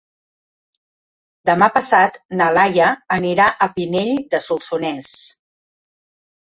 Demà passat na Laia anirà a Pinell de Solsonès.